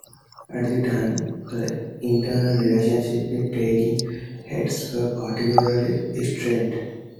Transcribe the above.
At the time, the internal relationships in Talking Heads were particularly strained.